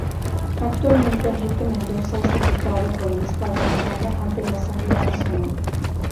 Actualmente, Enrique Mendoza es Diputado por el estado Miranda ante la Asamblea Nacional.